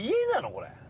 これ。